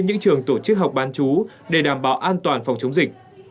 trường tổ chức học ban chú để đảm bảo an toàn phòng chống dịch